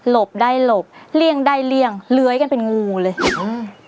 ได้หลบเลี่ยงได้เลี่ยงเลื้อยกันเป็นงูเลยอืม